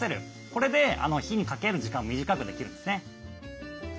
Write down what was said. これで火にかける時間を短くできるんですね。